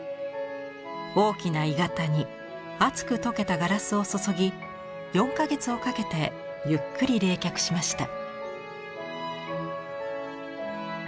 大きな鋳型に熱く溶けたガラスを注ぎ４か月をかけてゆっくり冷却しました。